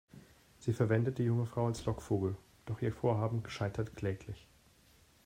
Sie verwendet die junge Frau als Lockvogel, doch ihr Vorhaben scheitert kläglich.